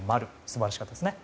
素晴らしかったですね。